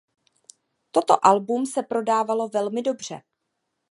Toto album se prodávalo velmi dobře.